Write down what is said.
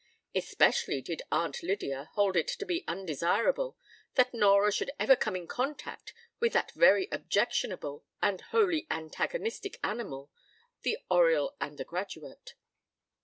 Especially did Aunt Lydia hold it to be undesirable that Nora should ever come in contact with that very objectionable and wholly antagonistic animal, the Oriel undergraduate.